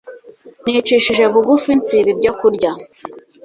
nicishije bugufi nsiba ibyo kurya